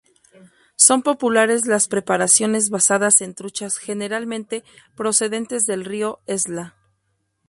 Son populares las preparaciones basadas en truchas generalmente procedentes del río Esla.